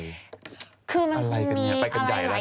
ก็คือมันคงมีอะไรหลายหลายอย่าง